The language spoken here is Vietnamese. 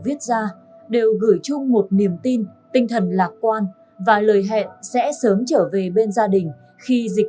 viết ra đều gửi chung một niềm tin tinh thần lạc quan và lời hẹn sẽ sớm trở về bên gia đình khi dịch